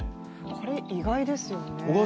これ、意外ですよね。